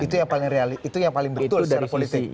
itu yang paling betul secara politik